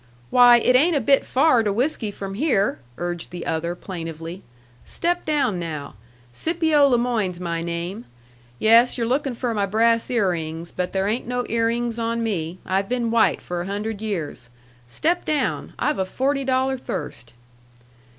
"Why, it ain't a bit far to whiskey from here!" urged the other, plaintively. "Step down, now. Scipio le Moyne's my name. Yes, you're lookin' for my brass ear rings. But there ain't no ear rings on me. I've been white for a hundred years. Step down. I've a forty dollar thirst."